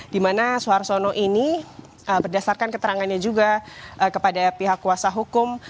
dimana suharsono ini berdasarkan keterangannya juga kepada pihak kuasa hukum